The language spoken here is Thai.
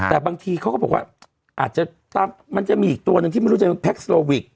แต่บางทีเขาก็บอกว่าอาจจะมันจะมีอีกตัวหนึ่งที่ไม่รู้จะเป็นแก๊สโลวิก